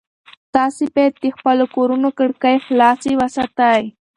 تاسي باید د خپلو کورونو کړکۍ خلاصې وساتئ.